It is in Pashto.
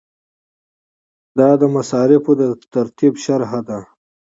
دا د مصارفو د ترتیب شرحه ده.